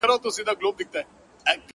د هر قام چي يو ځل وېره له دښمن سي٫